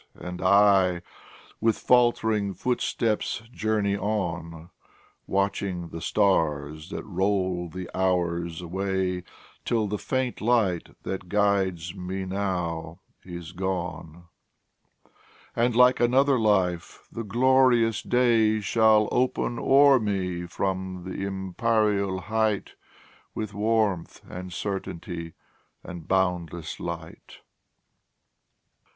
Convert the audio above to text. And I, with faltering footsteps, journey on, Watching the stars that roll the hours away, Till the faint light that guides me now is gone, And, like another life, the glorious day Shall open o'er me from the empyreal height, With warmth, and certainty, and boundless light.